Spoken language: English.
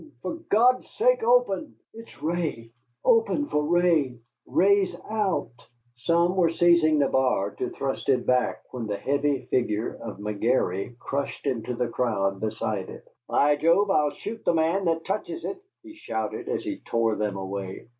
For God's sake open!" "It's Ray! Open for Ray! Ray's out!" Some were seizing the bar to thrust it back when the heavy figure of McGary crushed into the crowd beside it. "By Job, I'll shoot the man that touches it!" he shouted, as he tore them away.